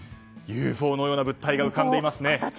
ＵＦＯのような物体浮かんでます。